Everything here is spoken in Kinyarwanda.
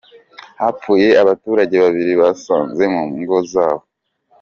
Hapfuye abaturage babiri babasanze mu ngo zabo.